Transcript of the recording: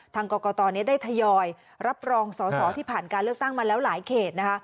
ทางกรกตนี้ได้ทยอยรับรองสอสอที่ผ่านการเลือกตั้งมาแล้วหลายเขตนะคะ